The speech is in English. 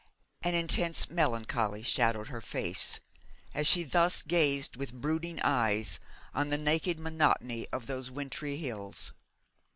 An intense melancholy shadowed her face, as she thus gazed with brooding eyes on the naked monotony of those wintry hills.